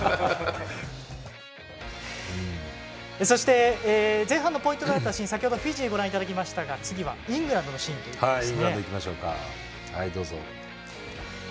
そして、前半のポイントだったシーン先ほどフィジーをご覧いただきましたが次はイングランドのシーンということですね。